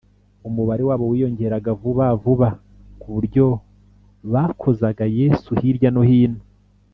umubare wabo wiyongeraga vuba vuba ku buryo bakozaga yesu hirya no hino